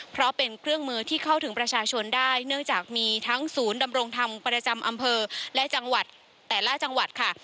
เพราะเป็นเครื่องมือที่เข้าถึงประชาชนได้เนื่องจากมีทั้งศูนย์ดำรงธรรมประจำอำเภอและจังหวัดแต่ละจังหวัดค่ะ